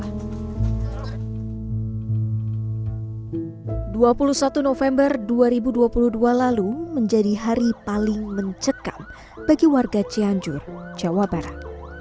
pada dua puluh satu november dua ribu dua puluh dua lalu menjadi hari paling mencekam bagi warga cianjur jawa barat